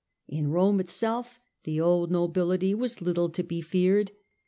In Rome itself the old nobility was little to be feared.